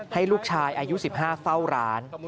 ให้ลูกชายอายุ๑๕เฝ้าร้าน